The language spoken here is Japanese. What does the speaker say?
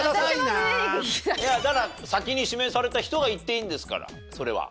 いやだから先に指名された人がいっていいんですからそれは。